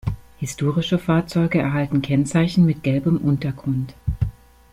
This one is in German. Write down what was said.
Historische Fahrzeuge erhalten Kennzeichen mit gelbem Untergrund.